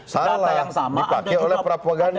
salah dipakai oleh propaganda